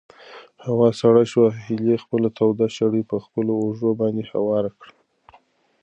هوا سړه شوه او هیلې خپله توده شړۍ په خپلو اوږو باندې هواره کړه.